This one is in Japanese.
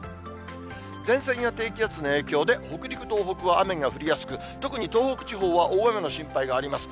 前線や低気圧の影響で、北陸、東北は雨が降りやすく、特に東北地方は大雨の心配があります。